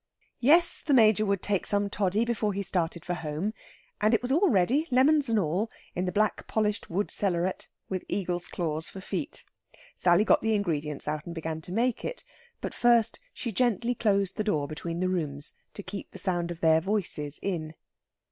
Yes, the Major would take some toddy before he started for home. And it was all ready, lemons and all, in the black polished wood cellaret, with eagles' claws for feet. Sally got the ingredients out and began to make it. But first she gently closed the door between the rooms, to keep the sound of their voices in.